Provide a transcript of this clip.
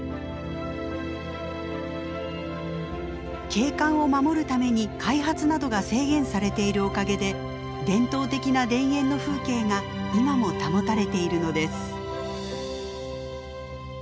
景観を守るために開発などが制限されているおかげで伝統的な田園の風景が今も保たれているのです。